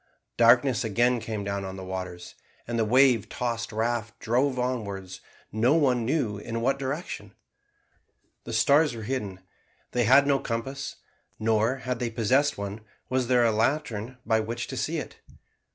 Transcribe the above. Darkness again came down on the waters, and the wave tossed raft drove onwards no one knew in what direction. The stars were hidden they had no compass nor, had they possessed one, was there a lantern by which to see it.